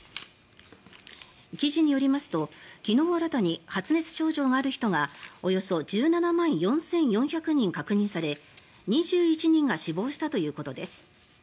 記事によりますと、昨日新たに発熱症状がある人がおよそ１７万４４００人確認され２１人が死亡したということです。